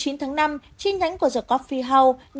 chi nhánh của the coffee house